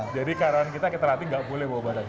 jadi karawan kita kita hati hati nggak boleh bawa badan